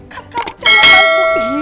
kan kamu jangan anak ibu